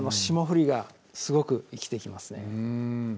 霜降りがすごく生きてきますね